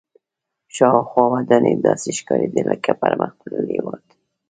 شاوخوا ودانۍ داسې ښکارېدې لکه پرمختللي هېواد.